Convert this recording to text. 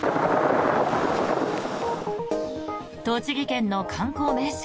栃木県の観光名所